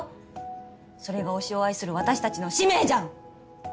それが推しを愛する私たちの使命じゃん！